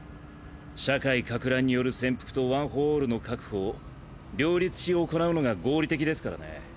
社会撹乱による潜伏とワン・フォー・オールの確保を両立し行うのが合理的ですからね。